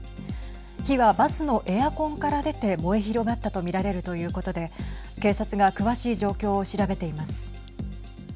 火はバスのエアコンから出て燃え広がったと見られるということで警察が詳しい状況を調べています。